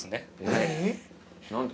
何？